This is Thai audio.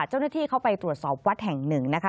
เจ้าหน้าที่เข้าไปตรวจสอบวัดแห่งหนึ่งนะคะ